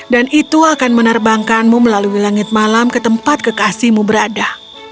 dan itu akan menerbangkanmu melalui langit malam ke tempat kekasihmu berada